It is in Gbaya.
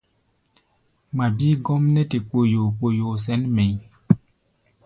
Ŋma bíí gɔ́m nɛ́ te kpoyoo-kpoyoo sɛ̌n mɛʼí̧.